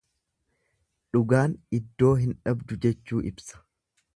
Dhugaan iddoo hin dhabdu jechuu ibsa.